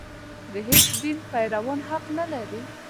د هېڅ دین پیروان حق نه لري.